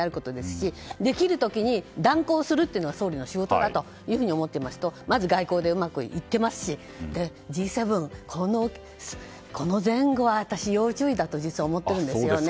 しできる時に断行するのが総理の仕事だと思っていますとまず外交でうまくいってますしＧ７、この前後は私、要注意だと実は思っているんですよね。